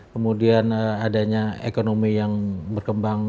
kemudian adanya ekonomi yang berkembang